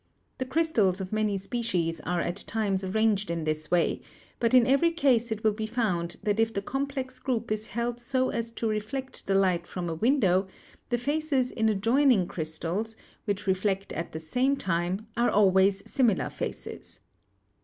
The crystals of many species are at times arranged in this way, but in every case it will be found that if the complex group is held so as to reflect the light from a window, the faces in adjoining crystals Fig. 45 — Form of 'Twinning' in which reflect at the same time are always similar faces.